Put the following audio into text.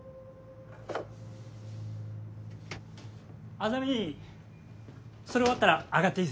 莇それ終わったら上がっていいぞ。